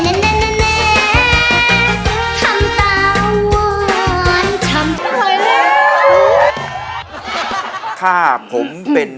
ข้าผมเป็นผู้ว่าราชการจังหวัดเกม